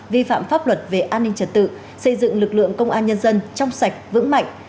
vi phạm pháp luật về an ninh trật tự xây dựng lực lượng công an nhân dân trong sạch vững mạnh